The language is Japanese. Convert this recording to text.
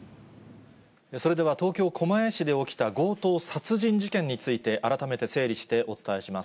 それでは東京・狛江市で起きた、強盗殺人事件について、改めて整理してお伝えします。